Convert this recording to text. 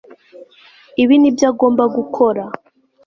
Ibi nibyo agomba gukora